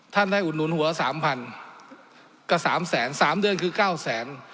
ท่านได้อุดหนุนหัวสามพันก็สามแสนสามเดือนคือเก้าแสน